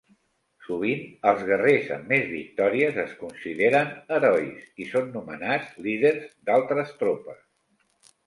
Sovint els guerrers amb més victòries es consideren herois i són nomenats líders d'altres tropes.